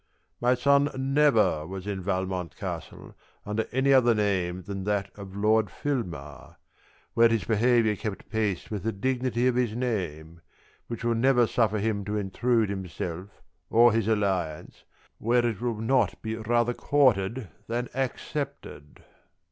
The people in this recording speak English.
My son never was in Valmont castle under any other name than that of Lord Filmar, where his behaviour kept pace with the dignity of his name, which will never suffer him to intrude himself or his alliance where it will not be rather courted than accepted.